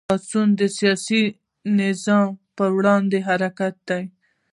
پاڅون د سیاسي نظام په وړاندې حرکت دی.